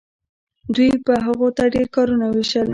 دوی به هغو ته ډیر کارونه ویشل.